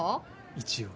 一応。